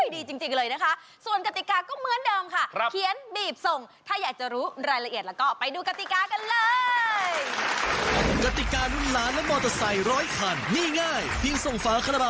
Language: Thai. ดีจริงเลยนะคะ